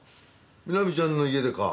南ちゃんの家でか？